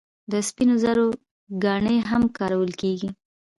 د سپینو زرو ګاڼې هم کارول کیږي.